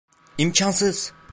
İmkansız!